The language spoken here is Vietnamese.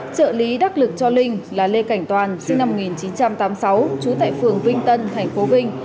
trợ lý đắc lực cho linh là lê cảnh toàn sinh năm một nghìn chín trăm tám mươi sáu trú tại phường vinh tân tp vinh